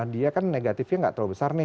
dia kan negatifnya nggak terlalu besar nih